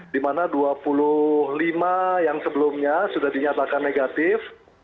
dimana dua puluh lima yang sebelumnya sudah dinyatakan negatif